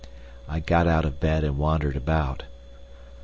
I got out of bed and wandered about.